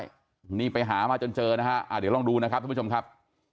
ใช่นี่ไปหามาจนเจอนะฮะเดี๋ยวลองดูนะครับทุกผู้ชมครับ